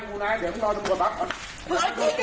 คือลักษณะการพูดคุยกันมันก็ไม่ใช่ดีแล้วอ่ะ